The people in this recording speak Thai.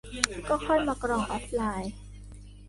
ก็ค่อยมากรองออฟไลน์